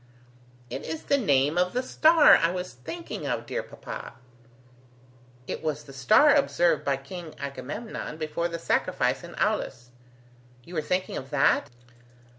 "It is the name of the star I was thinking of, dear papa." "It was the star observed by King Agamemnon before the sacrifice in Aulis. You were thinking of that?